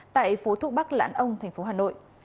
tại phố thu bắc lãn ông thành phố hà nội